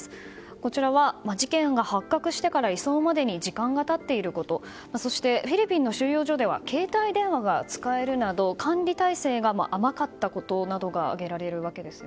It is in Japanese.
こちらは事件が発覚してから移送までに時間が経っていることそして、フィリピンの収容所では携帯電話が使えるなど管理体制が甘かったなどが挙げられるわけです。